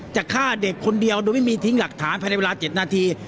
จะฆ่าเด็กคนเดียวโดยไม่มีทิ้งหลักฐานภายในเวลา๗นาที